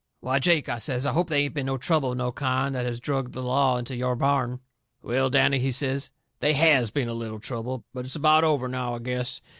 "Why, Jake," I says, "I hope they ain't been no trouble of no kind that has drug the law into your barn!" "Well, Danny," he says, "they HAS been a little trouble. But it's about over, now, I guess.